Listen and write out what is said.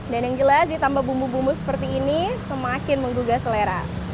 dan yang jelas ditambah bumbu bumbu seperti ini semakin menggugah selera